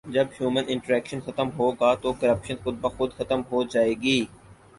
جب human interaction ختم ہوگا تو کرپشن خودبخود ختم ہو جائے گی